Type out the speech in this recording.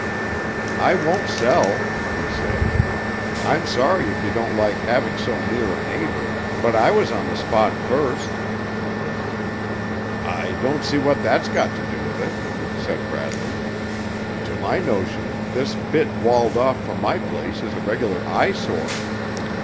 "I won't sell," he said. "I'm sorry if you don't like having so near a neighbor, but I was on the spot first." "I don't see what that's got to do with it," said Bradley. "To my notion, this bit walled off from my place is a regular eyesore.